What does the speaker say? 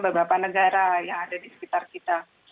beberapa negara yang ada di sekitar kita